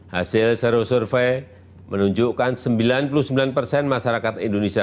hasil seru survei menunjukkan sembilan puluh sembilan persen masyarakat indonesia